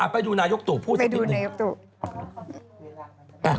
ไปดูนายกตัวพูดสักทีหนึ่ง